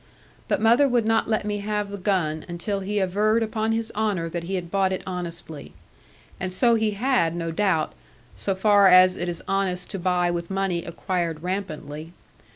But mother would not let me have the gun, until he averred upon his honour that he had bought it honestly. And so he had, no doubt, so far as it is honest to buy with money acquired rampantly.